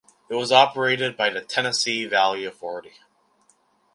It was operated by the Tennessee Valley Authority.